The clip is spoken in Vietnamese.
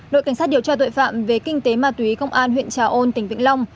đội cảnh sát điều tra tội phạm về kinh tế ma túy công an huyện trà ôn tỉnh vĩnh long